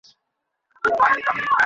একদিন তো মরেই যাবো।